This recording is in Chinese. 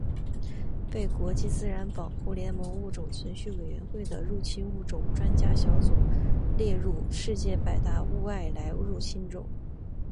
被国际自然保护联盟物种存续委员会的入侵物种专家小组列入世界百大外来入侵种。